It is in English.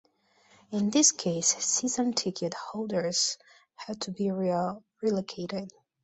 In these cases, season ticket holders have to be reallocated.